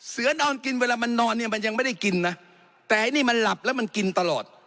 เสือนอนกินเวลามันนอนเนี่ยมันยังไม่ได้กินนะแต่ไอ้นี่มันหลับแล้วมันกินตลอด